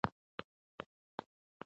جرګه د افغانانو د پرېکړو ځای دی.